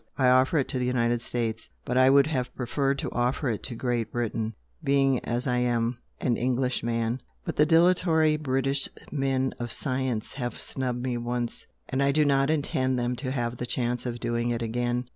I offer it to the United States but I would have preferred to offer it to Great Britain, being as I am, an Englishman. But the dilatory British men of science have snubbed me once and I do not intend them to have the chance of doing it again.